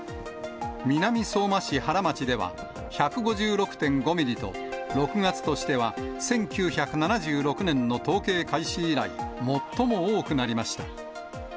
南相馬市原町では１５６．５ミリと、６月としては１９７６年の統計開始以来、最も多くなりました。